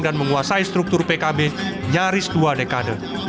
dan menguasai struktur pkb nyaris dua dekade